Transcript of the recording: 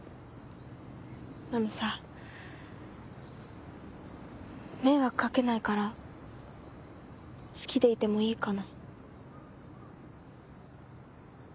あのさ迷惑かけないから好きでいてもいいかな？